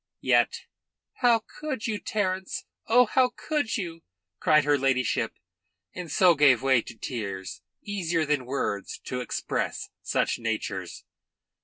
Yet, "How could you, Terence! Oh, how could you!" cried her ladyship, and so gave way to tears, easier than words to express such natures.